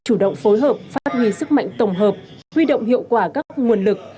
chủ động phối hợp phát huy sức mạnh tổng hợp huy động hiệu quả các nguồn lực